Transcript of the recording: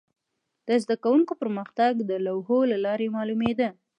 د زده کوونکو پرمختګ د لوحو له لارې معلومېده.